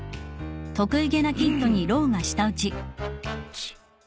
チッ。